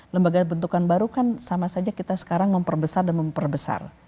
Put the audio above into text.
lembaga bentukan baru kan sama saja kita sekarang memperbesar dan memperbesar